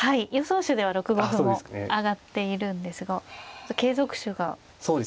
手では６五歩も挙がっているんですが継続手が。